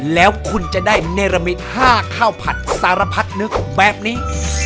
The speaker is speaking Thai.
แล้วคุณจะได้เนรมิต๕ข้าวผัดสารพัดนึกแบบนี้